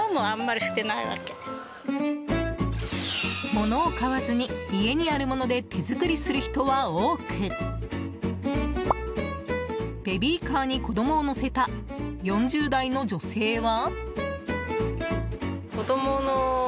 物を買わずに家にあるもので手作りする人は多くベビーカーに子供を乗せた４０代の女性は。